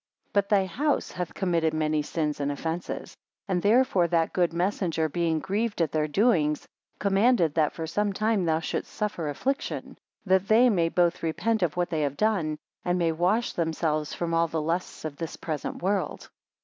5 But thy house hath committed many sins and offences, and therefore that good messenger being grieved at their doings commanded that for some time thou shouldst suffer affliction; that they may both repent of what they have done, and may wash themselves from all the lusts of this present world.